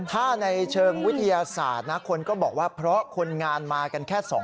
ถ้าในเชิงวิทยาศาสตร์นะคนก็บอกว่าเพราะคนงานมากันแค่สองคน